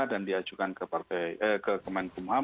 dan diajukan ke kemenkumham